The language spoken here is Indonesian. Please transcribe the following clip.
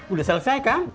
udah selesai kan